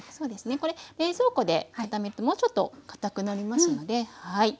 これ冷蔵庫で固めるともうちょっとかたくなりますので。